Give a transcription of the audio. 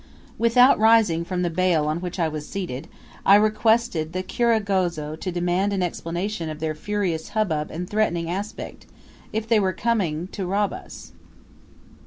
Without rising from the bale on which I was seated, I requested the kirangozi to demand an explanation of their furious hubbub and threatening aspect; if they were come to rob us.